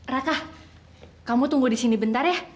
raka kamu tunggu di sini bentar ya